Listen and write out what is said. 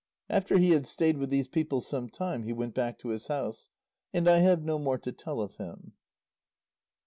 After he had stayed with these people some time he went back to his house. And I have no more to tell of him.